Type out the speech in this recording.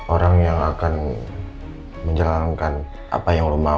orang yang akan menjalankan apa yang dia inginkan